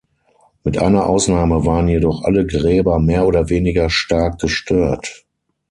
Mit einer Ausnahme waren jedoch alle Gräber mehr oder weniger stark gestört.